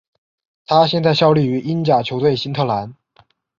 他现在效力于英甲球队新特兰。